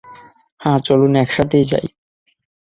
হ্যাঁ, চলুন একসাথেই যাই।